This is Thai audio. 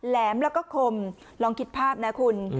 แหมแล้วก็คมลองคิดภาพนะคุณ